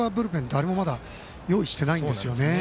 誰もまだ用意していないんですね。